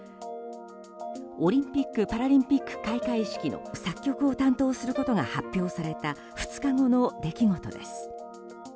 オリンピック・パラリンピック開会式の作曲を担当することが発表された２日後の出来事です。